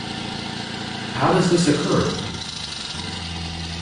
How does this occur?